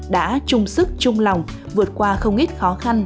đã chung sức chung lòng vượt qua không ít khó khăn